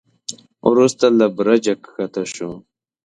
وروسته له برجه کښته شو.